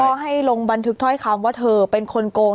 ก็ให้ลงบันทึกถ้อยคำว่าเธอเป็นคนโกง